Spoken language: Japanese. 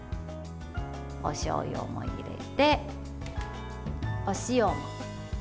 おしょうゆも入れて、お塩も。